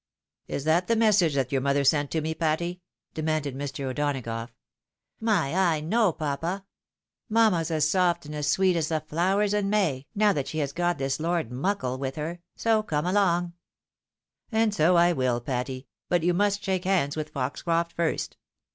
" Is that the message that your mother sent to me, Patty? " demanded Mr. O'Donagough. " My eye, no, papa 1 Mamma's as soft and as sweet as the flowers in May, now that' she has got this Lord Muckle with her, so come along." 304 THE WIDOW MARRIED. " And ao I mil, Patty ; but you must shake hands "with Foxcroft first."